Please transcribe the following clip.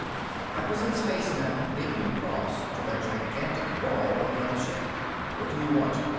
I was in space now, leaping across to the gigantic wall of the other ship. "What do you want?"